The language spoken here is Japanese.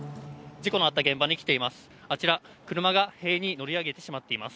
事故のあった現場に来ています。